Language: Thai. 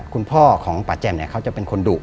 คุณพ่อของป่าแจมเขาจะเป็นคนดุ